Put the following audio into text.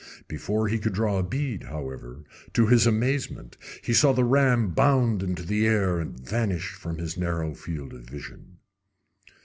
Before he could draw a bead, however, to his amazement he saw the ram bound into the air and vanish from his narrow field of vision.